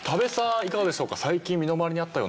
いかがでしょうか？